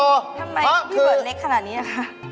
เพราะคือทำไมพี่เบิร์นเล็กขนาดนี้ล่ะค่ะ